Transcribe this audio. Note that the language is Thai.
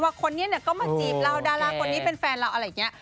ว่าคนนี้ก็มาจีบเราดาร์ร่าก่อนนี้เป็นแฟนเราอะไรแบบนี้